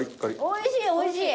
おいしいおいしい。